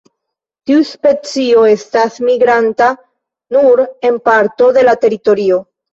Tiu specio estas migranta nur en parto de la teritorio.